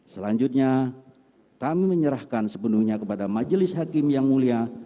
selanjutnya kami menyerahkan sepenuhnya kepada majelis hakim yang mulia